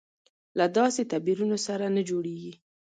له داسې تعبیرونو سره نه جوړېږي.